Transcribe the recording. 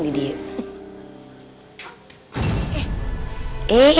sasi tau sih